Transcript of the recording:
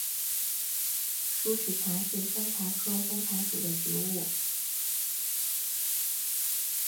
疏齿茶是山茶科山茶属的植物。